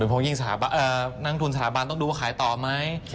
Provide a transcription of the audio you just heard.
เพราะยิ่งนักทุนสถาบันต้องดูว่าขายต่อไหม